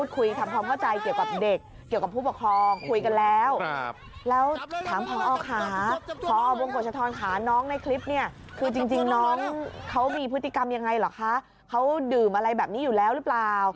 คือจริงน้องเขามีพฤติกรรมยังไงหรอคะเขาดื่มอะไรแบบนี้อยู่แล้วหรือเปล่า